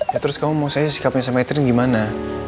ya terus kamu mau saya sikap sama catherine gimana